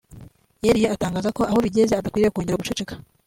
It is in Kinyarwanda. yeruye atangaza ko aho bigeze ‘adakwiye kongera guceceka’